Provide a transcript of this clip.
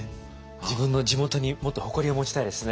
自分の地元にもっと誇りを持ちたいですね。